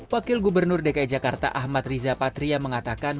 wakil gubernur dki jakarta ahmad riza patria mengatakan